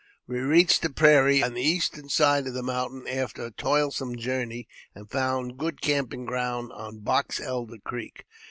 We reached the prairie, on the eastern side of the mountain, after a toilsome journey, and found good camping ground on Box Elder Creek.